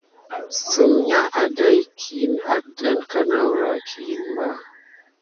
Səm ya áɗaïkiy aɗan ka na wure kilin ɓà.